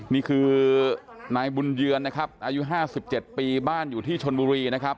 นี่คือนายบุญเยือนนะครับอายุ๕๗ปีบ้านอยู่ที่ชนบุรีนะครับ